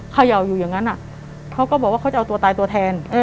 เขย่าอยู่อย่างนั้นเขาก็บอกว่าเขาจะเอาตัวตายตัวแทน